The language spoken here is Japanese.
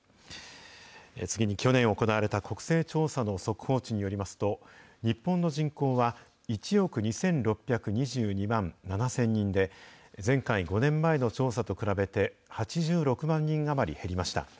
次に去年行われた国勢調査の速報値によりますと、日本の人口は、１億２６２２万７０００人で、前回・５年前の調査と比べて８６万人余り減りました。